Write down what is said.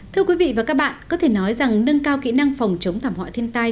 thưa quý vị và các bạn có thể nói rằng nâng cao kỹ năng phòng chống thảm họa thiên tai